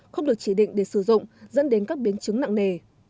không được chỉ định để sử dụng dẫn đến các biến chứng nặng nề